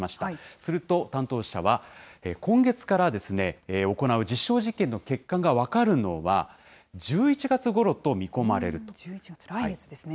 すると担当者は、今月から行う実証実験の結果が分かるのは１１月来月ですね。